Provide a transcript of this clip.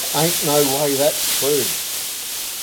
There ain't no way that's true.